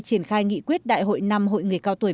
triển khai nghị quyết đại hội năm hội người cao tuổi